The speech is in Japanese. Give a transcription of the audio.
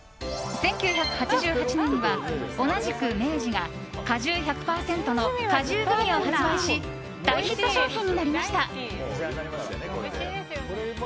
１９８８年には、同じく明治が果汁１００％の果汁グミを発売し大ヒット商品になりました。